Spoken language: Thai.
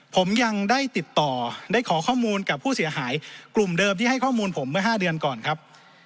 ผมยังได้ติดต่อได้ขอข้อมูลกับผู้เสียหายกลุ่มเดิมที่ให้ข้อมูลผมเมื่อ๕เดือนก่อนครับ